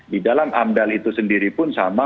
di dalam amdal itu sendiri pun sama